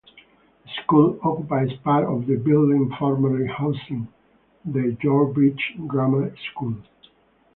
The school occupies part of the building formerly housing the Yorebridge Grammar School.